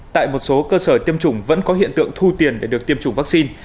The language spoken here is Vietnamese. tại một số cơ sở tiêm chủng vẫn có hiện tượng thu tiền để được tiêm chủng vaccine